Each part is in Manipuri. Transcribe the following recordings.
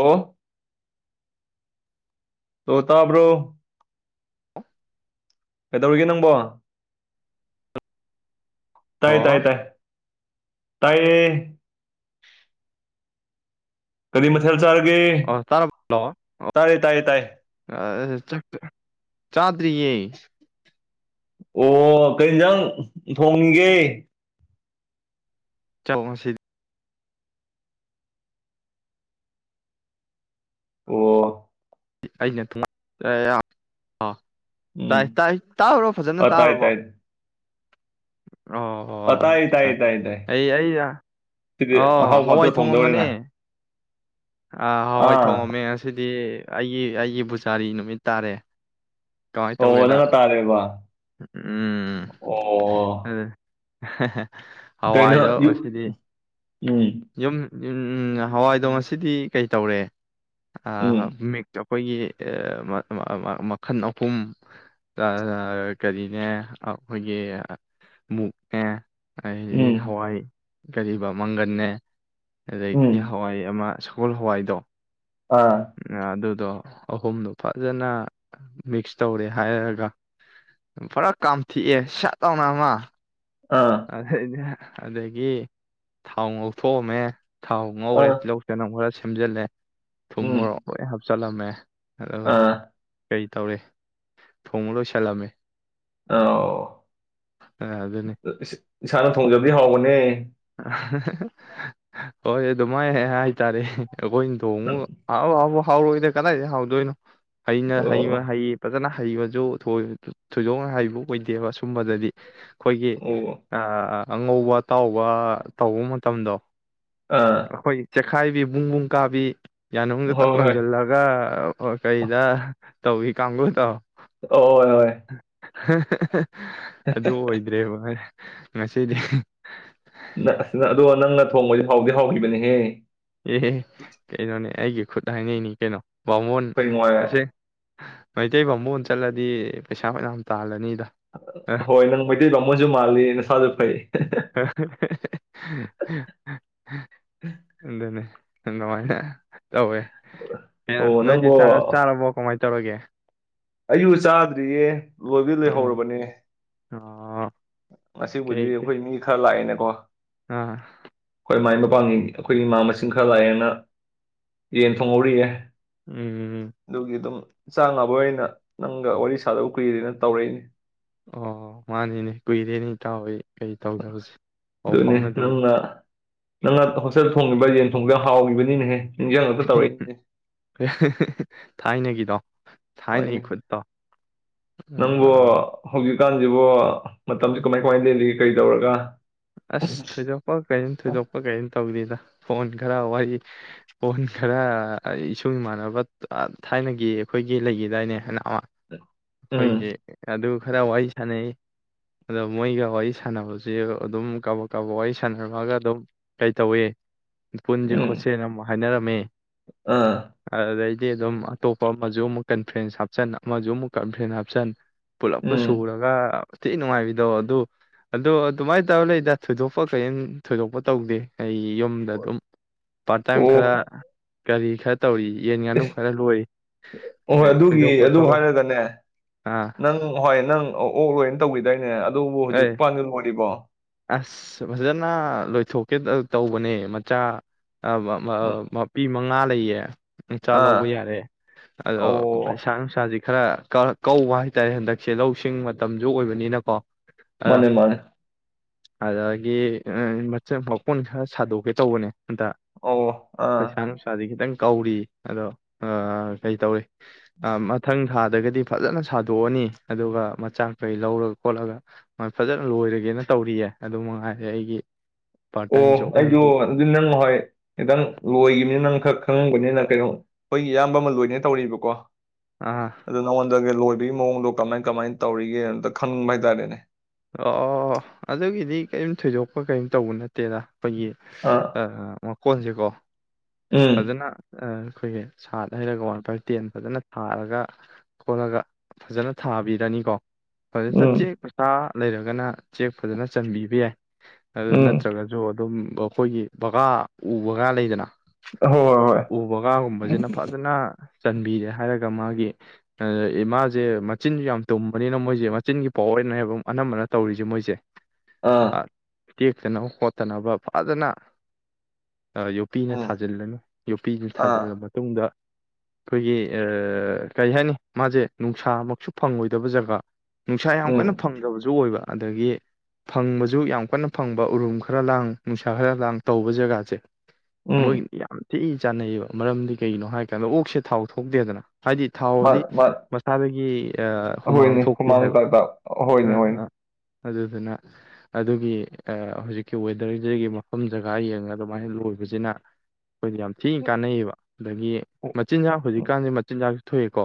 ꯑꯣ ꯇꯣ ꯇꯥꯕ꯭ꯔꯣ ꯀꯩꯗꯧꯔꯤꯒꯦ ꯅꯪꯕꯣ ꯇꯥꯏ ꯇꯥꯏ ꯍꯜꯂꯣ ꯇꯥꯏ ꯇꯥꯏꯌꯦ ꯀꯗꯤ ꯃꯊꯦꯜꯦꯜ ꯆꯔ ꯑꯣ ꯇꯔꯂꯑꯣ ꯇꯥꯏꯌꯦ ꯇꯥꯏ ꯆꯥꯗ꯭ꯔꯤꯌꯦ ꯑꯣ ꯀꯩꯖꯪ ꯊꯣꯡꯅꯤꯡꯒꯦ ꯆꯂ ꯁꯤꯗꯤ ꯑꯣ ꯑꯩꯅ ꯊꯨꯡꯉꯥꯏ ꯎꯝ ꯇꯥꯏ ꯇꯥꯏ ꯇꯥꯎꯨꯔꯣ ꯐꯖꯅ ꯑ ꯇꯥꯏ ꯇꯥꯔꯕꯣ ꯇꯥꯏ ꯑꯣ ꯑ ꯇꯥꯏ ꯇꯥꯏ ꯑ ꯇꯥꯏ ꯇꯥꯏ ꯑꯩ ꯑꯩ ꯑ ꯁꯤꯗꯤ ꯑꯍꯥꯎꯕ ꯍꯋꯥꯏ ꯉꯥꯛꯇ ꯊꯣꯡ ꯊꯣꯡꯗꯧꯔꯦꯅ ꯑꯃꯅꯦ ꯑꯥ ꯍꯋꯥꯏ ꯑꯥ ꯊꯣꯡꯉꯝꯃꯦ ꯉ ꯑꯁꯤꯗꯤ ꯑꯩꯒꯤ ꯑꯩ ꯒꯤ ꯄꯨꯕꯨꯖꯥꯔꯤ ꯅꯨꯃꯤꯠ ꯇꯥꯔꯦ ꯀꯃꯥꯏꯅ ꯑꯣ ꯇꯧꯒꯦꯗ ꯅꯪꯅ ꯇꯥꯔꯦꯕ ꯎꯝ ꯑꯣ ꯑꯗꯨ ꯍ ꯍ ꯀꯩꯅꯣ ꯎꯝ ꯎ ꯎꯝ ꯍꯋꯥꯏꯗꯣ ꯉꯁꯤꯗꯤ ꯀꯩ ꯇꯧꯔꯦ ꯑ ꯎꯝ ꯃ ꯑꯩꯈꯣꯏꯒꯤ ꯈꯟ ꯑꯍꯨꯝ ꯀꯔꯤꯅꯦ ꯑꯩꯈꯣꯏꯒꯤ ꯃꯨꯛꯅꯦ ꯑꯩ ꯎꯝ ꯍꯋꯥꯏ ꯔꯤꯕꯥ ꯃꯪꯒꯟꯅꯦꯦ ꯑꯗꯩꯗꯤ ꯎꯝ ꯍꯋꯥꯏ ꯑꯃ ꯒꯣꯜ ꯍꯋꯥꯏꯗꯣ ꯑꯥ ꯑꯗꯨꯗꯣ ꯑꯍꯨꯝꯗꯣ ꯐꯖꯅ ꯃꯤꯛꯁ ꯇꯧꯔꯦ ꯍꯥꯏꯔꯒ ꯄꯨꯔꯥ ꯀꯥꯝꯊꯤꯑꯦ ꯏꯁꯥ ꯇꯧꯅ ꯑꯃ ꯑꯥ ꯑ ꯑꯗꯒꯤ ꯊꯥꯎ ꯉꯧꯊꯣꯛꯑꯝꯃꯦ ꯊꯥꯎ ꯃ ꯂ ꯑꯥ ꯆ ꯅꯝꯕꯔꯦ ꯊꯝꯖꯜꯂꯦ ꯊꯨꯃꯔ ꯎꯝ ꯂ ꯍꯥꯏ ꯆꯂꯃꯦꯃꯦ ꯑꯗꯨ ꯑꯥ ꯀꯩ ꯇꯧꯔꯦ ꯊꯣꯡ ꯂꯣꯏꯁꯜꯂꯝꯃꯦ ꯑ ꯑꯗꯨꯅꯤ ꯏꯁꯥꯅ ꯊꯣꯡꯖꯕꯗꯤ ꯍꯥꯎꯕꯅꯦ ꯍꯣꯏ ꯑꯗꯨꯃꯥꯏ ꯍꯥꯏꯇꯥꯔꯦ ꯑꯩꯈꯣꯏꯗꯣꯡꯉ ꯑ ꯑꯕ ꯍꯥꯎꯔꯛꯏꯅꯦ ꯀꯗꯥꯏꯗ ꯍꯥꯎꯗꯣꯏꯅꯣ ꯍꯩꯅ ꯍꯩꯉ ꯑꯣ ꯍꯩ ꯐꯖꯅ ꯍꯩꯕꯁꯨ ꯊꯣꯏꯗꯣꯛꯅ ꯍꯩꯕ ꯑꯣꯏꯗꯦꯕ ꯁꯨꯝꯕꯗꯗꯤ ꯑꯩꯈꯣꯏꯒꯤ ꯑꯣ ꯑꯉꯧꯕ ꯑꯇꯥꯎꯕ ꯇꯧꯕ ꯃꯇꯝꯗꯣ ꯑꯥ ꯑꯩꯈꯣꯏ ꯆꯦꯈꯥꯏꯕꯤ ꯕꯨꯡꯕꯨꯡ ꯀꯥꯕꯤ ꯌꯥꯅꯨꯡꯗ ꯇꯞ ꯍꯣꯏ ꯍꯣꯏ ꯂꯪꯁꯤꯜꯂꯒ ꯀꯩꯗ ꯇꯧ ꯏ ꯀꯥꯡꯒꯨꯗꯣ ꯍ ꯍꯣꯏ ꯍ ꯑꯗꯨ ꯑꯣꯏꯗ꯭ꯔꯦ ꯃꯥ ꯑꯗꯣ ꯅꯪꯅ ꯊꯣꯡꯕꯗꯤ ꯍꯥꯎꯗꯤ ꯍꯥꯎꯈꯤꯕꯅꯤꯍꯦ ꯑꯦ ꯀꯩꯅꯣꯅꯦ ꯍꯥꯏꯌ ꯈꯨꯠ ꯍꯥꯏꯅꯩꯅꯤ ꯀꯩꯅꯣ ꯕꯥꯃꯣꯟ ꯉꯥꯏ ꯑꯁꯦꯡꯕ ꯃꯩꯇꯩ ꯕꯥꯃꯣꯜ ꯑꯣꯏꯅ ꯆꯠꯂꯗꯤ ꯄꯩꯁꯥ ꯃꯌꯥꯝ ꯇꯥꯜꯂꯅꯤ ꯍꯣꯏ ꯅꯪ ꯃꯩꯇꯩ ꯕꯥꯃꯣꯜꯁꯨ ꯃꯥꯜꯂꯤ ꯅꯁꯥꯁꯨ ꯐꯩ ꯃꯗ ꯇꯧꯋꯦ ꯑꯦ ꯑꯣ ꯅꯣꯏꯗꯤ ꯅꯪꯕꯨ ꯆꯥꯔꯕꯣ ꯀꯃꯥꯏꯅ ꯇꯧꯔꯒꯦ ꯑꯩꯖꯨ ꯆꯥꯗ꯭ꯔꯤꯌꯦ ꯂꯣꯏꯕꯨꯗꯤ ꯂꯣꯢꯍꯧꯔꯕꯅꯦ ꯑ ꯉꯁꯤꯕꯨꯗꯤ ꯑꯩꯈꯣꯏ ꯃꯤ ꯈꯔ ꯂꯥꯛꯑꯦꯅꯦꯀꯣ ꯑꯥ ꯑꯩꯈꯣꯏ ꯃꯥꯏ ꯈ꯭ꯋꯥꯡꯒꯤ ꯑꯩꯈꯣꯏꯒꯤ ꯏꯃꯥ ꯃꯁꯤꯡ ꯈꯔ ꯂꯥꯛꯑꯦꯅ ꯌꯦꯟ ꯊꯣꯡꯍꯧꯔꯤꯑ ꯎꯝ ꯑꯗꯨꯒꯤ ꯑꯗꯨꯝ ꯆꯥꯛ ꯉꯥꯏꯕ ꯑꯣꯏꯅ ꯅꯪꯒ ꯋꯥꯔꯤ ꯁꯥꯗꯕ ꯀꯨꯏꯔꯦꯅ ꯇꯧꯔꯛꯏꯅꯤ ꯑꯣ ꯃꯥꯅꯤꯅꯦ ꯀꯨꯏꯔꯦꯅꯦ ꯢꯇꯥꯎ ꯀꯩ ꯇꯧꯗꯕꯁꯦ ꯄꯥꯎ ꯑꯗꯨꯅꯦ ꯐꯥꯎꯅꯗꯕꯗꯦ ꯅꯪꯅ ꯅꯪꯅ ꯍꯣꯁꯦꯜ ꯊꯣꯡꯉꯤꯕ ꯌꯦꯟ ꯊꯣꯡꯕꯕ ꯍꯥꯎꯈꯤꯕꯅꯤꯅꯦꯍꯦ ꯅꯤꯡꯁꯤꯡꯉꯛꯇ ꯇꯧꯔꯛꯏꯅꯦ [unintelligible] ꯊꯥꯏꯅꯒꯤꯗꯣ ꯊꯥꯏꯅꯒꯤ ꯍꯣꯏꯅꯦ ꯈꯨꯠꯇꯣ ꯅꯪꯕꯨ ꯑꯥ, ꯍ ꯀꯥꯟꯁꯤꯕꯨ ꯃꯇꯝꯁꯤ ꯀꯃꯥꯏ ꯀꯃꯥꯏꯅ ꯂꯦꯜꯂꯤꯒ ꯀꯩ ꯇꯧꯔꯒ ꯑꯁ ꯊꯣꯏꯗꯣꯛꯄ ꯀꯩꯌꯝ ꯊꯣꯏꯗꯣꯛꯄ ꯀꯩꯌꯝ ꯇꯧꯗꯗ ꯐꯣꯟ ꯈꯔ ꯋꯥꯔꯤ ꯐꯣꯟ ꯈꯔ ꯏꯁꯨꯡ ꯏꯃꯥꯟꯅꯕ ꯊꯥꯏꯅꯒꯤ ꯑꯩꯈꯣꯏꯒꯤ ꯂꯩꯈꯤꯗꯥꯏꯅꯦ ꯍꯥꯏꯅ ꯎꯝ ꯑꯩꯈꯣꯏꯒꯤ ꯑꯗꯨ ꯈꯔ ꯋꯥꯔꯤ ꯁꯥꯟꯅꯩ ꯑꯗꯣ ꯃꯣꯏꯒ ꯋꯥꯔꯤ ꯁꯥꯟꯅꯕꯁꯦ ꯑꯗꯨꯝ ꯀꯕꯛ ꯀꯕꯣꯛ ꯋꯥꯔꯤ ꯁꯥꯟꯅꯔꯛꯑꯒ ꯑꯗꯨꯝ ꯀꯩ ꯇꯧꯏꯤ ꯄꯨꯟꯁꯦ ꯎꯝ ꯈꯣꯠꯁꯦꯅ ꯑꯃ ꯍꯥꯏꯅꯔꯝ ꯃꯦ ꯑꯥ ꯑꯗꯨꯗꯩ ꯗꯤ ꯑꯗꯨꯝ ꯑꯇꯣꯞꯄ ꯑꯃꯁꯨ ꯑꯃꯨꯛ ꯀꯟꯐ꯭ꯔꯦꯟꯁ ꯍꯥꯞꯆꯟ ꯑꯃꯁꯨ ꯑꯃꯨꯛ ꯀꯟꯐ꯭ꯔꯦꯟ ꯍꯥꯞꯆꯟ ꯄꯨꯂꯞ ꯄꯨ ꯎꯝ ꯁꯨꯔꯒ ꯊꯤ ꯅꯨꯡꯉꯥꯏꯕꯤꯗꯣ ꯑꯗꯨ ꯑꯗꯣ ꯑꯗꯨꯃꯥꯏꯅ ꯇꯧꯔ ꯂꯩꯗ ꯊꯣꯏꯗꯣꯛꯄ ꯀꯔꯤꯝ ꯊꯣꯏꯗꯣꯛꯄ ꯇꯧꯗꯦ ꯑꯩ ꯌꯨꯝꯗ ꯑꯗꯨꯝ ꯄꯥꯔꯠ ꯇꯥꯏꯝ ꯈꯔ ꯀꯔꯤ ꯈꯠ ꯍꯣꯏ ꯑꯗꯨꯒꯤ ꯊꯣꯏꯗꯣꯛꯄ ꯑꯗꯨ ꯊꯕꯛ ꯍꯥꯏꯔꯒꯅꯦ ꯑꯥ ꯅꯪ ꯍꯣꯏ ꯅꯪ ꯑꯣꯛꯂꯣꯏꯅ ꯇꯧꯈꯤꯗꯥꯏꯅꯦ ꯑꯗꯨꯕꯨ ꯍꯧꯖꯤꯛ ꯑꯦ ꯄꯥꯟꯒ ꯑꯣꯏꯔꯤꯕꯣ ꯑꯁ ꯐꯖꯅ ꯂꯣꯏꯊꯣꯛꯀꯦ ꯇꯧꯕꯅꯦ ꯃꯆꯥ ꯃ ꯎꯝ ꯃꯄꯤ ꯃꯉꯥ ꯅꯥ ꯂꯩꯌꯦ ꯏꯆꯥ ꯑꯥ ꯂꯧꯕ ꯌꯥꯔꯦ ꯑꯗꯣ ꯑꯣ ꯄꯩꯁꯥ ꯅꯨꯡꯁꯥꯁꯤ ꯈꯔ ꯀꯧꯕ ꯍꯥꯏꯇꯥꯔꯦ ꯍꯟꯗꯛꯁꯦ ꯂꯧꯁꯤꯡ ꯃꯇꯝꯁꯨ ꯑꯣꯏꯕꯅꯤꯅꯀꯣ ꯑ ꯃꯥꯅꯦ ꯃꯥꯅꯦ ꯑꯗꯒꯤ ꯃꯆꯟ ꯃꯀꯨꯣꯟ ꯈꯔ ꯁꯥꯗꯣꯛꯀꯦ ꯇꯧꯕꯅꯦ ꯑꯇꯛ ꯑꯣ ꯑꯥ ꯄꯩꯁꯥ ꯅꯨꯡꯁꯥꯗꯤ ꯈꯤꯇꯪ ꯀꯧꯔꯤ ꯑꯗꯣ ꯀꯩꯇꯧꯏ ꯃꯊꯪ ꯊꯥꯗꯒꯗꯤ ꯐꯖꯟꯅ ꯁꯥꯗꯣꯛꯑꯅꯤ ꯑꯗꯨꯒ ꯃꯆꯥꯛ ꯀꯩ ꯂꯧꯔ ꯈꯣꯠꯂꯒ ꯐꯖꯅ ꯂꯣꯏꯔꯒꯦꯅ ꯇꯧꯔꯤꯌꯦ ꯑꯗꯨ ꯃꯉꯥꯏꯔꯦ ꯑꯩꯒꯤ ꯄꯥꯔꯠ ꯇꯥꯏꯝ ꯑꯣ ꯖꯣꯕ ꯑꯩꯗꯣ ꯍꯥꯏꯕꯕꯨ ꯑꯗꯨ ꯅꯪ ꯍꯣꯏ ꯈꯤꯇꯪ ꯂꯣꯏꯈꯤꯕꯅꯤ ꯅꯪꯈꯛ ꯈꯪꯉꯈꯅꯤꯅ ꯀꯩꯅꯣ ꯑꯩꯈꯣꯏꯒꯤ ꯏꯌꯥꯝꯕ ꯑꯃ ꯂꯣꯏꯅꯦ ꯅ ꯇꯧꯔꯤꯕꯀꯣ ꯑꯥ ꯑꯗꯨꯗꯣ ꯅꯉꫭꯟꯗꯒꯤ ꯂꯣꯏ ꯑꯗꯨ ꯃꯑꯣꯡꯗꯣ ꯀꯃꯥꯏ ꯀꯃꯥꯏ ꯇꯧꯔꯤꯒꯦꯅ ꯈꯪꯅꯤꯡꯕ ꯍꯥꯏꯇꯥꯔꯦꯅꯦ ꯑꯣ ꯑꯣ ꯑꯗꯨꯒꯤꯗꯤ ꯀꯔꯤꯝ ꯊꯣꯏꯗꯣꯛꯄ ꯀꯔꯤꯝ ꯇꯧꯕ ꯅꯠꯇꯦꯗ ꯑꯩꯈꯣꯏꯒꯤ ꯑꯥ ꯃꯀꯣꯟꯁꯦꯀꯣ ꯐꯖꯅ ꯑ ꯑꯩꯈꯣꯏꯒꯤ ꯁꯥꯠ ꯍꯩꯔꯒ ꯋꯥꯟ ꯕꯥꯥꯏ ꯇꯦꯟ ꯐꯖꯅ ꯊꯥꯔꯒ ꯈꯣꯠꯂꯒ ꯐꯖꯅ ꯊꯥꯕꯤꯔꯅꯤꯀꯣ ꯐꯔꯦ ꯆꯆꯦ ꯄꯁꯥ ꯂꯩꯔꯒꯅ ꯆꯦꯛ ꯐꯖꯅ ꯆꯟꯕꯤꯕ ꯌꯥꯏ ꯑꯗꯨ ꯅꯠꯇ꯭ꯔꯒꯁꯨ ꯑꯗꯨꯝ ꯑꯩꯈꯣꯏꯒꯤ ꯕꯀꯥ ꯎ ꯕꯒꯥꯥ ꯂꯩꯗꯅ ꯎꯕꯒꯥꯒꯨꯝꯕꯁꯤꯅ ꯐꯖꯅ ꯆꯟꯕꯤꯔꯦ ꯍꯥꯏꯔꯒ ꯃꯥꯒꯤ ꯃꯥꯁꯦ ꯃꯆꯤꯟꯁꯨ ꯌꯥꯝ ꯇꯨꯝꯕꯅꯤꯅ ꯃꯣꯏꯁꯦ ꯃꯆꯤꯟꯒꯤ ꯄꯥꯎ ꯑꯣꯏꯅ ꯍꯥꯏꯕ ꯑꯅꯝꯕꯅ ꯇꯧꯔꯤꯁꯦ ꯃꯣꯏꯁꯦ ꯑꯥ ꯇꯦꯛꯇꯅꯕ ꯈꯣꯠꯇꯅꯕ ꯐꯖꯅ ꯌꯣꯄꯤꯅ ꯊꯥꯖꯤꯜꯂꯅꯤꯨ ꯌꯣꯄꯤꯅ ꯊꯥꯖꯤꯜꯂ ꯃꯇꯨꯡꯗ ꯑꯩꯈꯣꯏꯒꯤ ꯀꯔꯤ ꯍꯥꯏꯅꯤ ꯃꯥꯁꯦ ꯅꯨꯡꯁꯥꯃꯛꯁꯨ ꯐꯪꯉꯣꯏꯗꯕ ꯖꯒꯥ ꯅꯤꯡꯅꯨꯡꯁꯥ ꯌꯥꯝ ꯀꯅ ꯨ ꯑꯣꯏꯕ ꯑꯗꯒꯤ ꯐꯪꯕꯁꯨ ꯌꯥꯝ ꯀꯟꯅ ꯐꯪꯕ ꯎꯔꯨꯝ ꯈꯔ ꯂꯥꯡ ꯅꯨꯡꯁꯥ ꯈꯔ ꯂꯥꯡ ꯇꯧꯕ ꯖꯒꯥꯁꯦ ꯃꯒꯤꯅꯤ ꯌꯥꯝ ꯊꯤꯛꯏ ꯆꯥꯅꯩꯌꯦꯕ ꯃꯔꯝꯗꯤ ꯀꯩꯅꯣ ꯍꯥꯏ ꯀꯥꯟꯗ ꯑꯣꯛꯁꯦ ꯊꯥꯎ ꯊꯣꯛꯇꯦꯗꯅ ꯍꯥꯏꯗꯤ ꯊꯥꯎꯗꯤ ꯃꯁꯥꯗꯒꯤ ꯎꯝ ꯍꯣꯏꯅꯦ ꯍꯨꯃꯥꯡꯥꯏꯗ ꯑꯥ ꯍꯣꯏꯅꯦ ꯍꯣꯏꯅꯦ ꯑꯥ ꯑꯗꯨꯗꯨꯅ ꯑꯗꯨꯒꯤ ꯍꯧꯖꯤꯛꯀꯤ ꯋꯦꯗꯔꯁꯤꯗꯒꯤ ꯃꯐꯝ ꯖꯒꯥ ꯌꯦꯡꯉ ꯑꯗꯨꯃꯥꯏꯅ ꯂꯣꯏꯕꯁꯤꯅ ꯑꯩꯈꯣꯏꯗꯤ ꯌꯥꯝ ꯊꯤꯅ ꯀꯥꯟꯅꯩꯌꯦꯕ ꯑꯗꯒꯤ ꯃꯆꯤꯟꯖꯥꯛ ꯍꯧꯖꯤꯛꯀꯥꯟꯁꯦ ꯃꯆꯤꯟꯖꯥꯛ ꯊꯣꯛ ꯏꯀꯣ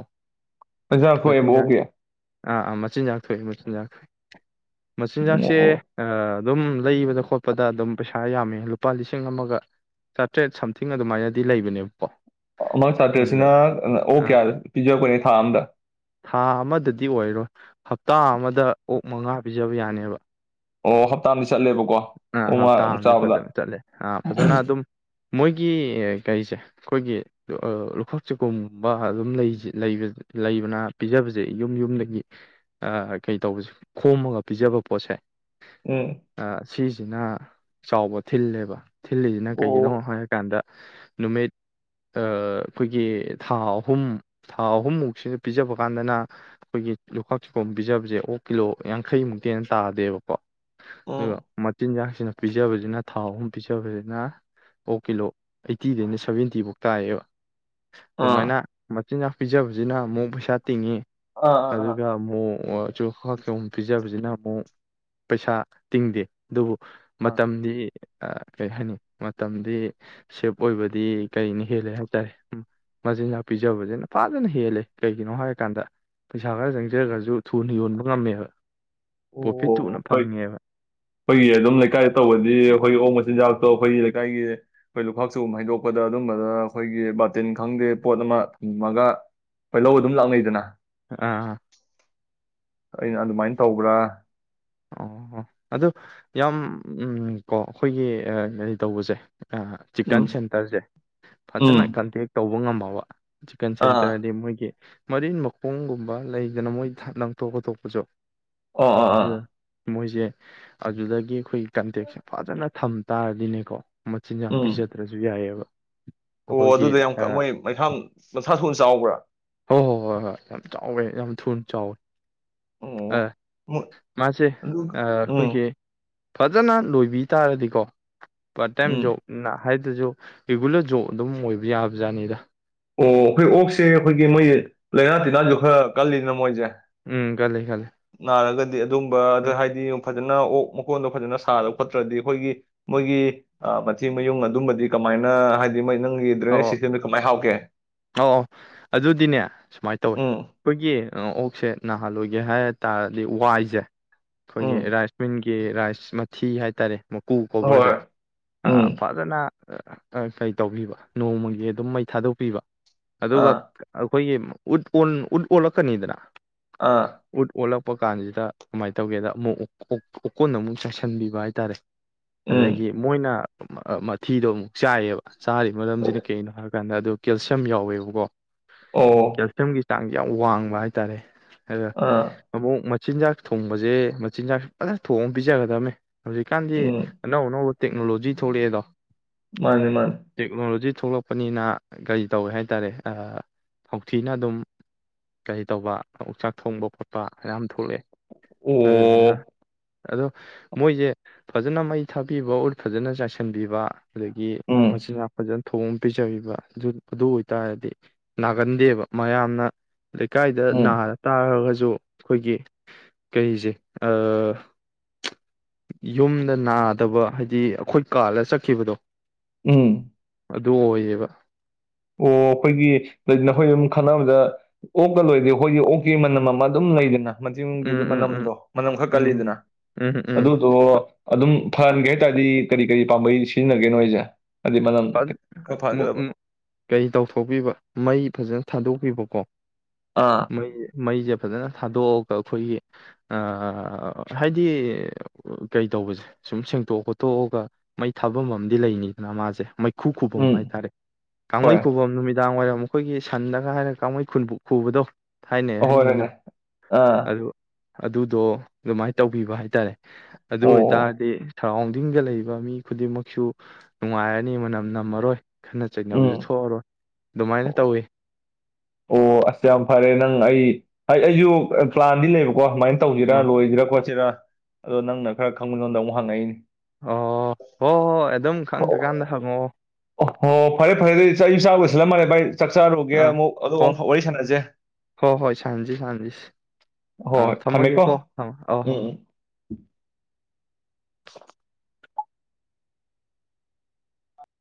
ꯄꯖꯥ ꯐꯣꯏꯕ ꯑꯣꯀꯦ ꯑꯥ ꯑ ꯃ ꯆꯤꯟ ꯐ ꯃ ꯌꯥ ꯃꯆꯤꯟꯖꯥꯛꯁꯦ ꯑꯗꯨꯝ ꯂꯩꯕꯗ ꯈꯣꯠꯄꯗ ꯑꯗꯨꯝ ꯄꯩꯁꯥ ꯌꯥꯝꯃꯦ ꯂꯨꯄꯥ ꯂꯤꯁꯤꯡ ꯑꯃꯒ ꯆꯥꯇ꯭ꯔꯦꯠ ꯁꯝꯊꯤꯡ ꯑꯗꯨꯃꯥꯏꯅꯗꯤ ꯂꯩꯕꯅꯦꯕꯀꯣ ꯑꯃꯛ ꯑꯗꯨ ꯁꯥꯇ꯭ꯔꯁꯤꯅ ꯂꯩ ꯑꯣ ꯑꯥ ꯀꯌꯥ ꯄꯤꯖꯔꯛꯄꯅꯦ ꯊꯥ ꯑꯝꯗ ꯊꯥ ꯑꯃꯗꯗꯤ ꯑꯣꯏꯔꯣꯏ ꯍꯞꯇꯥ ꯑꯃꯗ ꯑꯣꯛ ꯃꯉꯥ ꯄꯤꯖꯕ ꯌꯥꯅꯦꯕ ꯑꯣ ꯍꯞꯄꯇꯥꯥ ꯑꯥ ꯍꯞꯇꯥ ꯑꯅꯤ ꯐꯖꯅ ꯆꯠꯂꯦ ꯑꯥ ꯐꯖꯅ ꯑꯗꯨꯝ ꯃꯣꯏꯒꯤ ꯀꯩꯁꯦ ꯑꯩꯈꯣꯏꯒꯤ ꯂꯨꯈꯣꯛ ꯆꯨꯈꯨꯝꯒꯨꯝꯕ ꯑꯗꯨꯝ ꯂꯩꯕꯅ ꯄꯤꯖꯕꯁꯦ ꯌꯨꯝ ꯌꯨꯝꯗꯒꯤ ꯀꯩ ꯇꯧꯕꯁꯦ ꯈꯣꯝꯃꯒ ꯄꯤꯖꯕ ꯄꯣꯠꯁꯦ ꯎꯝ ꯑ, ꯁꯤꯁꯤꯅ ꯆꯥꯎꯕ ꯊꯤꯜꯂꯦꯕ ꯊꯤꯜꯂꯤꯁꯤꯅ ꯀꯩꯒꯤꯅꯣ ꯍꯥꯏꯔꯀꯥꯟꯗ ꯅꯨꯃꯤꯠ ꯑꯩꯈꯣꯏꯒꯤ ꯊꯥ ꯑꯍꯨꯝ ꯊꯥ ꯑꯍꯨꯝꯃꯨꯛꯁꯤꯗ ꯄꯤꯖꯕ ꯀꯥꯟꯗꯅ ꯑꯩꯈꯣꯏꯒꯤ ꯂꯨꯈꯥꯛ ꯆꯒꯣꯝ ꯄꯤꯖꯕꯁꯦ ꯑꯣꯛ ꯀꯤꯂꯣ ꯌꯥꯡꯈꯩꯃꯨꯛꯇꯤꯅ ꯇꯥꯗꯦꯕꯀꯣ ꯑꯗꯨꯒ ꯃꯆꯤꯟꯖꯥꯛꯁꯤꯅ ꯄꯤꯖꯕꯁꯤꯅ ꯊꯥꯎ ꯑꯍꯨꯝ ꯄꯤꯖꯅꯤꯅ ꯑꯣ ꯀꯤꯂꯣ ꯑꯩꯠꯇꯤꯗꯩꯅ ꯁꯚꯦꯟꯇꯤꯐꯧꯛ ꯇꯥꯏꯌꯦꯕ ꯑꯗꯨ ꯃꯥꯏꯅ ꯏꯆꯤꯟꯅꯥꯥꯛ ꯄꯤꯖꯕꯁꯤꯅ ꯑꯃꯨꯛ ꯄꯩꯁꯥ ꯇꯤꯡꯉꯤ ꯑꯗꯨꯒ ꯑꯃꯨꯛ ꯑꯆꯨ ꯈꯥꯛꯀ ꯑꯃꯨꯛ ꯄꯤꯖꯕꯁꯤꯅ ꯑꯃꯨꯛ ꯄꯩꯁꯥ ꯇꯤꯡꯗꯦ ꯑꯗꯨꯕꯨ ꯃꯇꯝꯗꯤ ꯀꯔꯤ ꯍꯥꯏꯅꯤ ꯃꯇꯝꯗꯤ ꯁꯦꯞ ꯑꯣꯏꯕꯗꯤ ꯀꯔꯤꯅ ꯍꯦꯜꯂꯦ ꯍꯥꯏꯇꯥꯔꯦ ꯃꯆꯤꯟꯖꯥꯛ ꯄꯤꯖꯕꯁꯤꯅ ꯐꯖꯅ ꯍꯦꯜꯂꯦ ꯀꯩꯒꯤꯅꯣ ꯍꯥꯏꯔꯀꯥꯟꯗ ꯄꯩꯁꯥ ꯈꯔ ꯆꯪꯖꯔꯒꯁꯨ ꯊꯨꯅ ꯌꯣꯟꯕ ꯉꯝꯃꯦꯕ ꯄ꯭ꯔꯣꯐꯤꯠ ꯊꯨꯅ ꯐꯪꯉꯦꯕ ꯑꯩꯈꯣꯏꯒꯤ ꯑꯗꯨꯝ ꯂꯩꯀꯥꯏꯗ ꯇꯧꯕꯗꯤ ꯑꯩꯈꯣꯏꯒꯤ ꯑꯣꯛ ꯃꯆꯤꯟꯖꯥꯛꯇꯣ ꯑꯩꯈꯣꯏꯒꯤ ꯂꯩꯀꯥꯏꯒꯤ ꯑꯩꯈꯣꯏ ꯂꯨꯈꯥꯛꯆꯨꯒꯨꯝꯕ ꯍꯩꯗꯣꯛꯄꯗ ꯑꯗꯨꯝꯕꯗ ꯑꯩꯈꯣꯏꯒꯤ ꯕꯥꯔꯇꯤꯟ ꯈꯪꯗꯦ ꯄꯣꯠ ꯑꯃ ꯊꯝꯃꯒ ꯑꯩꯈꯣꯏ ꯂꯧ ꯑꯗꯨꯝ ꯂꯥꯛꯅꯩꯗꯅ ꯑꯥ ꯑꯩꯅ ꯑꯗꯨꯃꯥꯏꯅ ꯇꯧꯕ꯭ꯔꯥ ꯑꯣ ꯑꯗꯨ ꯌꯥꯝ ꯀꯣ ꯑꯩꯈꯣꯏꯒꯤ ꯀꯔꯤ ꯇꯧꯕꯁꯦ ꯑ ꯆꯤꯀꯟ ꯎꯝ ꯁꯦꯟꯇꯔꯁꯦ ꯎꯝ ꯐꯖꯅ ꯀꯟꯇꯦꯛ ꯇꯧꯕ ꯎꯉꯝꯕꯕ ꯆꯤꯛꯟ ꯑꯥ ꯁꯦꯟꯇ꯭ꯔꯗꯤ ꯃꯣꯏꯒꯤ ꯃꯔꯤꯟ ꯃꯈꯣꯡꯒꯨꯝꯕ ꯂꯩꯗꯅ ꯃꯣꯏ ꯂꯪꯊꯣꯛ ꯈꯇꯣꯛꯄꯁꯨ ꯑ ꯑꯥ ꯑ ꯃꯣꯏꯁꯦ ꯑꯗꯨꯗꯒꯤ ꯑꯩꯈꯣꯏꯒꯤ ꯀꯟꯇꯦꯛꯁꯦ ꯐꯖꯅ ꯊꯝ ꯇꯥꯔꯗꯤꯅꯦꯀꯣ ꯃꯆꯤꯟꯖꯥꯛ ꯎꯝ ꯄꯤꯖꯗ꯭ꯔꯁꯨ ꯌꯥꯏꯑꯕ ꯑꯣ ꯑꯩꯈꯣꯏꯒꯤ ꯑꯗꯨꯗ ꯌꯥꯝ ꯀ ꯑ ꯃꯣꯏ ꯃꯩꯊꯥ ꯃꯊ ꯁ ꯆꯥꯎꯕ꯭ꯔꯥ? ꯍꯣ ꯍꯣ ꯍꯣꯏ ꯍꯣꯏ ꯌꯥꯝ ꯆꯥꯎꯋꯦ ꯌꯥꯝ ꯊꯨꯅ ꯆꯥꯎꯋꯦ꯫ ꯑ ꯑꯣ ꯃꯣꯏ ꯃꯥꯁꯦ ꯑꯗꯨ ꯑ ꯎꯝ ꯑꯩꯈꯣꯏꯒꯤ ꯐꯖꯅ ꯂꯣꯏꯕꯤ ꯇꯥꯔꯗꯤꯀꯣ ꯄꯥꯔꯠ ꯇꯥꯏꯝ ꯎꯝ ꯖꯣꯕ ꯅꯤꯅꯥ ꯍꯥꯏꯗꯖꯨ ꯔꯤꯒꯨꯂꯔ ꯖꯣꯕ ꯑꯗꯨꯝ ꯑꯣꯏꯕ ꯌꯥꯕꯖꯥꯠꯅꯤꯗ꯫ ꯑꯣ ꯑꯩꯈꯣꯏ ꯑꯣꯛꯁꯦ ꯑꯩꯈꯣꯏꯒꯤ ꯃꯣꯏ ꯂꯥꯏꯅꯥ ꯇꯤꯟꯅꯥꯁꯨ ꯈꯔ ꯀꯜꯂꯤꯅ ꯃꯣꯏꯁꯦ? ꯎꯝ ꯀꯜꯂꯦ ꯀꯜꯂꯦ꯫ ꯅꯥꯔꯒꯗꯤ ꯑꯗꯨꯝꯕ ꯑꯗ ꯍꯥꯏꯗꯤ ꯐꯖꯅ ꯑꯣꯛ ꯃꯀꯣꯟꯗꯣ ꯐꯖꯅ ꯁꯥꯗ ꯈꯣꯠꯇ꯭ꯔꯗꯤ ꯑꯩꯈꯣꯏꯒꯤ ꯃꯣꯏꯒꯤ ꯑ ꯃꯊꯤ ꯃꯌꯨꯡ ꯑꯗꯨꯝꯕꯗꯤ ꯀꯃꯥꯏꯅ ꯍꯥꯏꯗꯤ ꯃꯣꯏ ꯅꯪꯒꯤ ꯗ꯭ꯔꯦꯅꯦꯖ ꯑꯧ ꯑꯧ ꯁꯤꯁꯇꯦꯝꯗꯣ ꯀꯃꯥꯏ ꯍꯥꯞꯀꯦ? ꯑꯧ ꯑꯧ ꯑꯗꯨꯗꯤꯅꯦ ꯁꯨꯃꯥꯏꯅ ꯇꯧꯋꯤ ꯎꯝ ꯑꯩꯈꯣꯏꯒꯤ ꯑ ꯑꯣꯛꯁꯦ ꯅꯥꯍꯜꯂꯣꯏꯒꯦ ꯍꯥꯏ ꯇꯥꯔꯗꯤ ꯋꯥꯏꯖꯦ ꯑꯩꯈꯣꯏꯒꯤ ꯎꯝ ꯔꯥꯏꯁꯃꯤꯟꯒꯤ ꯀ ꯔꯥꯏꯁ ꯃꯊꯤ ꯍꯥꯏꯇꯥꯔꯦ ꯃꯀꯨ ꯀꯣꯕꯔꯖꯦ ꯍꯣꯏ ꯑ ꯎꯝ ꯐꯖꯅ ꯀꯩ ꯇꯧꯕꯤꯕ ꯅꯣꯡꯃꯒꯤ ꯑꯗꯨꯝ ꯃꯩ ꯊꯥꯗꯣꯛꯄꯤꯕ ꯑꯗꯨꯒ ꯑꯥ ꯑꯈꯣꯏꯒꯤ ꯎꯠ ꯑꯣꯟ ꯎꯠ ꯑꯣꯜꯂꯛꯀꯅꯤꯗꯅ꯫ ꯑꯥ ꯎꯠ ꯑꯣꯂꯛ ꯄ ꯀꯥꯟꯖꯤꯗ ꯀꯃꯥꯏ ꯇꯧꯒꯦꯗ ꯑꯃꯨꯛ ꯑꯣꯀꯣꯟꯗ ꯑꯃꯨꯛ ꯆꯥꯏꯁꯤꯟꯕꯤꯕ ꯍꯥꯏꯇꯥꯔꯦ꯫ ꯑꯗꯒꯤ ꯎꯝ ꯃꯣꯏꯅ ꯃ ꯑ ꯃꯊꯤꯗꯣ ꯑꯃꯨꯛ ꯆꯥꯏꯌꯦꯕ꯫ ꯆꯥꯔꯤ ꯃꯔꯝꯖꯤꯅ ꯀꯩꯅꯣ ꯍꯥꯏꯔ ꯄ ꯑꯗꯨ ꯀꯦꯜꯁꯤꯌꯝ ꯌꯥꯎꯋꯦꯕꯀꯣ ꯑꯣ ꯀꯦꯜꯁꯤꯌꯝꯒꯤ ꯆꯥꯡꯖꯦ ꯌꯥꯝ ꯋꯥꯡꯕ ꯍꯥꯏꯇꯥꯔꯦ꯫ ꯑ ꯑꯥ ꯃꯕꯨꯛ ꯆꯤꯟꯖꯥꯛ ꯊꯣꯡꯕꯁꯦ ꯃꯆꯤꯟꯖꯥꯛ ꯐꯖꯅ ꯊꯣꯡꯉꯒ ꯄꯤꯖꯒꯗꯝꯅꯦ꯫ ꯍꯧꯖꯤꯛꯀꯥꯟꯗꯤ ꯎꯝ ꯑꯅꯧ ꯑꯅꯧꯕ ꯇꯦꯛꯅꯣꯂꯣꯖꯤ ꯊꯣꯛꯂꯛꯑꯦꯗꯣ꯫ ꯃꯥꯅꯦ ꯃꯥꯅꯤ ꯇꯦꯛꯅꯣꯂꯣꯖꯤ ꯊꯣꯛꯂꯛꯄꯅꯤꯅ ꯀꯔꯤ ꯇꯧꯋꯦ ꯍꯥꯏꯇꯥꯔꯦ ꯊꯧꯊꯤꯅ ꯑꯗꯨꯝ ꯀꯔꯤ ꯇꯧꯕ ꯎꯛꯆꯥꯛ ꯊꯣꯡꯕ ꯈꯣꯠꯄ ꯃꯌꯥꯝ ꯊꯣꯛꯂꯛꯑꯦ ꯑꯗꯨꯗꯨꯅ ꯎꯝ ꯑꯗꯣ ꯃꯣꯏꯁꯦ ꯐꯖꯅ ꯃꯩ ꯊꯥꯕꯤꯕ ꯑꯣꯔ ꯐꯖꯅ ꯆꯥꯏꯁꯤꯟꯕꯤꯕ ꯑꯗꯒꯤ ꯎꯝ ꯃꯁꯤꯅ ꯐꯖꯅ ꯊꯑꯣ ꯑꯃ ꯄꯤꯖꯕꯤꯕ ꯑꯗꯨ ꯑꯣꯏꯇꯥꯔꯗꯤ ꯅꯥꯒꯟꯗꯦꯕ ꯃꯌꯥꯝꯅ ꯂꯩꯀꯥꯏꯗ ꯎꯝ ꯅꯥꯔ ꯇꯥꯔꯒ ꯁꯨ ꯑꯩꯈꯣꯏꯒꯤ ꯀꯔꯤꯁꯦ ꯌꯨꯝꯗ ꯅꯥꯗꯕ ꯍꯥꯏꯗꯤ ꯑꯩꯈꯣꯏ ꯀꯥꯜꯂ ꯆꯠꯈꯤꯕꯗꯣ ꯎꯝ ꯑꯗꯨ ꯑꯣꯏꯌꯦꯕ ꯑꯣ ꯑꯩꯈꯣꯏꯒꯤ ꯅꯈꯣꯏ ꯑꯗꯨꯝ ꯈꯟꯅꯕꯗ ꯑꯣꯛꯀ ꯂꯣꯏꯗꯤꯦ ꯑꯩꯈꯣꯏꯒꯤ ꯑꯣꯛꯀꯤ ꯃꯅꯝ ꯑꯃ ꯑꯗꯨꯝ ꯂꯩꯗꯅ ꯎꯝ ꯃꯆꯤꯡꯒꯤꯗꯨ ꯎꯝ ꯎꯝ ꯃꯅꯝꯗꯣ ꯃꯅꯝ ꯈꯛ ꯎꯝ ꯀꯜꯂꯤꯗꯅ ꯎꯝ ꯎꯝ ꯑꯗꯨꯗꯣ ꯑꯗꯨꯝ ꯐꯍꯟꯒꯦ ꯍꯥꯏ ꯇꯥꯔꯗꯤ ꯀꯔꯤ ꯀꯔꯤ ꯄꯥꯝꯕꯩ ꯁꯤꯖꯤꯟꯅꯒꯦꯅꯣ ꯑꯩꯁꯦ ꯍꯥꯏꯗꯤ ꯃꯅꯝ ꯐꯠ ꯈ ꯃꯨ- ꯐꯒꯗꯕ ꯎꯝ ꯀꯩ ꯇꯧꯊꯣꯛꯄꯤꯕ ꯃꯩ ꯐꯖꯅ ꯊꯥꯗꯣꯛꯄꯤꯕ ꯀꯣ ꯑꯥ ꯃꯩ ꯃꯩꯁꯦ ꯐꯖꯅ ꯊꯥꯗꯣꯛꯑꯑꯣ ꯑꯩꯈꯣꯏꯒꯤ ꯍꯥꯏꯗꯤ ꯀꯩ ꯇꯧꯕꯁꯦ ꯁꯨꯝ ꯁꯦꯡꯇꯣꯛ ꯈꯣꯠꯇꯣꯛꯑꯒ ꯃꯩ ꯊꯥꯐꯝ ꯑꯝ ꯂꯩꯅꯤ ꯃꯥꯁꯦ ꯃ ꯈꯨꯨ ꯈꯨꯕꯝ ꯎꯝ ꯍꯥꯏꯇꯥꯔꯦ ꯍꯣꯏ ꯀꯥꯡꯈꯩ ꯈꯨꯕꯝ ꯅꯨꯃꯤꯠ ꯅꯨꯡꯗꯥꯡ ꯋꯥꯏꯔꯝ ꯃꯈꯣꯏꯒꯤ ꯁꯟꯗꯒ ꯍꯥꯏꯔꯒ ꯀꯥꯡꯈꯩ ꯈꯨꯟꯕꯨ ꯈꯨꯕꯗꯣ ꯊꯥꯏꯅꯩ ꯑꯍꯟꯈꯩꯅ ꯍꯔꯅꯦ ꯑꯥ ꯑꯗꯨ ꯑꯗꯨꯗꯣ ꯑꯗꯨꯃꯥꯏꯅ ꯇꯧꯕꯤꯕ ꯍꯥꯏꯇꯥꯔꯦ ꯑꯗꯨ ꯑꯣ ꯑꯣꯏꯇꯥꯔꯗꯤ ꯁꯔꯥꯎꯟꯗꯤꯡꯗ ꯂꯩꯕ ꯃꯤ ꯈꯨꯗꯤꯡꯃꯛꯁꯨ ꯅꯨꯡꯉꯥꯏꯔꯅꯤ ꯃꯅꯝ ꯅꯝꯃꯔꯣꯏ ꯈꯠꯅ ꯎꯝ ꯆꯩꯅꯕꯁꯨ ꯊꯣꯛꯑꯔꯣꯏ ꯑꯗꯨꯃꯥꯏꯅ ꯑꯣ ꯇꯧꯋꯤ ꯑꯣ ꯑꯁ ꯌꯥꯝ ꯐꯔꯦ ꯅꯪ ꯑꯩ ꯑꯩꯁꯨ ꯄ꯭ꯂꯥꯟꯗꯤ ꯂꯩꯕꯀꯣ ꯀꯣ ꯁꯃꯥꯏꯅ ꯇꯧꯁꯤꯔꯥ ꯎꯝ ꯂꯣꯏꯁꯤꯔ ꯈꯣꯠꯁꯤꯔꯥ ꯑꯗꯣ ꯅꯪꯅ ꯈꯔ ꯈꯪꯕꯉꯣꯟꯗ ꯑꯃꯨꯛ ꯍꯪꯉꯛꯏꯅꯤ ꯑꯣ ꯍꯣ ꯍꯣꯏ ꯑꯗꯨꯝ ꯈꯪꯗ꯭ꯔꯀꯥꯟꯗ ꯍꯪꯉꯛꯑꯣ ꯍꯣ ꯐꯔꯦ ꯐꯔꯦ ꯑꯗꯨꯗꯤ ꯆ ꯌ ꯆꯁꯤꯜꯂꯝ ꯃꯥꯜꯦ ꯚꯥꯏ ꯆꯥꯛ ꯆꯔꯨꯒꯦ ꯑꯥ ꯑꯃꯨꯛ ꯑ ꯍꯣ ꯑꯃꯨꯛꯐꯥꯎ ꯋꯥꯔꯤ ꯁꯥꯟꯅꯁꯦ ꯍꯣ ꯍꯣꯏ ꯁꯥꯟꯅꯁꯤ ꯁꯥꯟꯅꯁꯤ ꯍꯣꯏ ꯑꯥ ꯍꯣꯏ ꯊꯝꯃꯦꯀꯣ ꯊꯝꯃꯒꯦꯀꯣ ꯊꯝꯃꯣ ꯑꯣ ꯍꯣ ꯎꯝ ꯍꯣꯏ ꯎꯝ ꯎꯝ [inaudible]